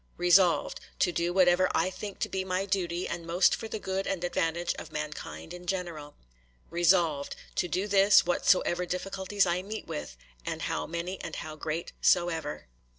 'Resolved, To do whatever I think to be my duty and most for the good and advantage of mankind in general. 'Resolved, To do this, whatsoever difficulties I meet with, and how many and how great soever.